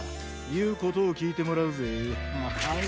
いうことをきいてもらうぜ。